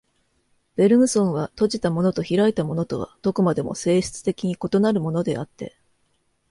ベルグソンは、閉じたものと開いたものとはどこまでも性質的に異なるものであって、